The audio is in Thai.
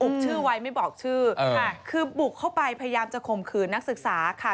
ชื่อไว้ไม่บอกชื่อคือบุกเข้าไปพยายามจะข่มขืนนักศึกษาค่ะ